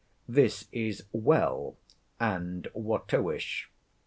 This is well, and Watteauish.